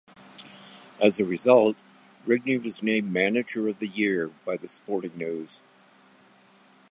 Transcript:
As a result, Rigney was named Manager of the Year by The Sporting News.